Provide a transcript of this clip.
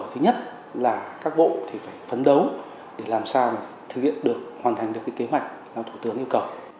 thứ nhất là các bộ phải phấn đấu để làm sao thực hiện được hoàn thành được kế hoạch nào thủ tướng yêu cầu